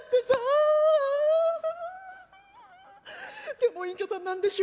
でも隠居さん何でしょう